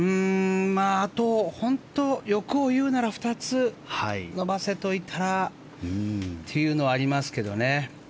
本当に欲を言うならあと２つ伸ばせといたらというのはありますけどね。